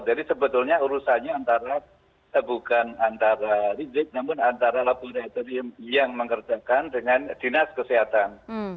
jadi sebetulnya urusannya antara bukan antara ridrib namun antara laboratorium yang mengerjakan dengan dinas kesehatan